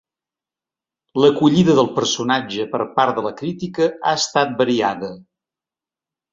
L'acollida del personatge per part de la crítica ha estat variada.